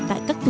tại các tù